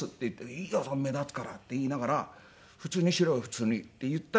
「いいよ目立つから」って言いながら「普通にしろよ普通に」って言ったら。